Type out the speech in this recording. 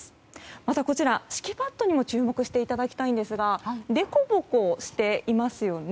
また、敷パッドにも注目していただきたいんですが凸凹していますよね。